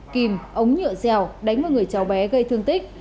kìm ống nhựa dèo đánh vào người cháu bé gây thương tích